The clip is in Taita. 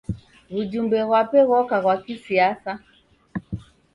W'ujumbe ghwape ghoka ghwa kisiasa.